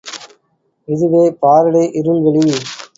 இதுவே பாரடே இருள் வெளி.